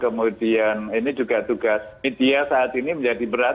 kemudian ini juga tugas media saat ini menjadi berat